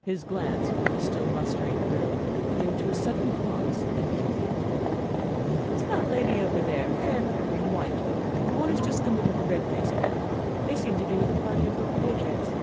His glance, which was still mustering the room, came to a sudden pause and kindled. "Who's the lady over there fair haired, in white the one who's just come in with the red faced man? They seem to be with a party of your compatriots."